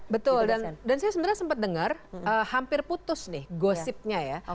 betul dan saya sebenarnya sempat dengar hampir putus nih gosipnya ya